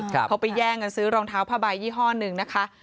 เขาไปแย่งกันซื้อรองเท้าผ้าใบยี่ห้อหนึ่งนะคะ